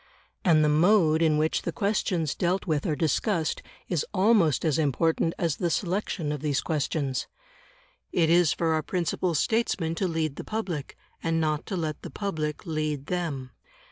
And the mode in which the questions dealt with are discussed is almost as important as the selection of these questions. It is for our principal statesmen to lead the public, and not to let the public lead them.